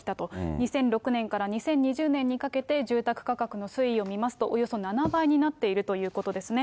２００６年から２０２０年にかけて、住宅価格の推移を見ますと、およそ７倍になっているということですね。